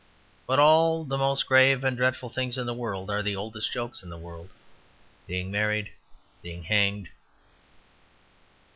But all the most grave and dreadful things in the world are the oldest jokes in the world being married; being hanged.